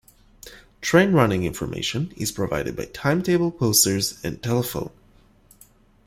Train running information is provided by timetable posters and telephone.